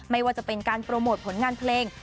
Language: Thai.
ไม่ว่าจะเป็นการโปรโมทผลงานเพลง